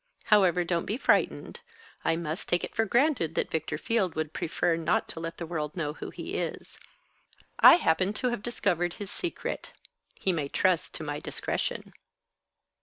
However, don't be frightened. I must take it for granted that Victor Field would prefer not to let the world know who he is. I happen to have discovered his secret. He may trust to my discretion."